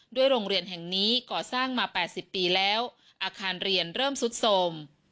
โรงเรียนแห่งนี้ก่อสร้างมา๘๐ปีแล้วอาคารเรียนเริ่มสุดโสม